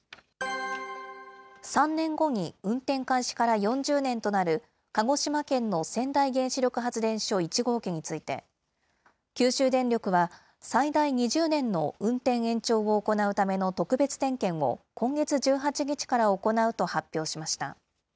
３年後に運転開始から４０年となる、鹿児島県の川内原子力発電所１号機について、九州電力は最大２０年の運転延長を行うための特別点検を今月１８日から行うと発表しました。